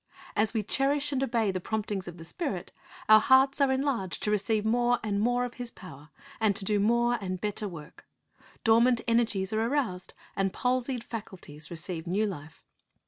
As we cherish and obey the promptings of the Spirit, our hearts are enlarged to receive more and more of His power, and to do more and better work. Dormant energies are aroused, and palsied faculties receive new life.